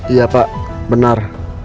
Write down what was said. iya pak benar